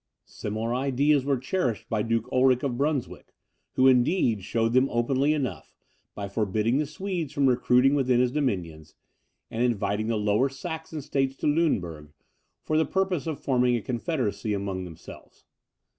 Similar ideas were cherished by Duke Ulric of Brunswick, who, indeed, showed them openly enough by forbidding the Swedes from recruiting within his dominions, and inviting the Lower Saxon states to Luneburg, for the purpose of forming a confederacy among themselves.